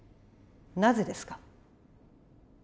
なぜですか？